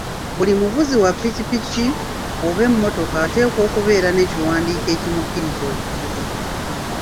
Buli muvuzi wa piki piki oba emmotoka ateekwa okubeera n'ekiwandiiko ekimukkiriza okuvuga.